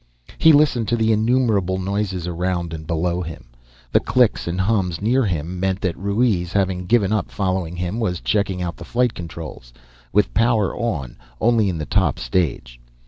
He listened to the innumerable noises around and below him. The clicks and hums near him meant that Ruiz, having given up following him, was checking out the flight controls, with power on only in the top stage.